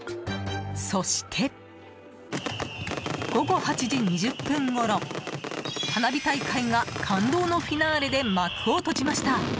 そして、午後８時２０分ごろ花火大会が感動のフィナーレで幕を閉じました。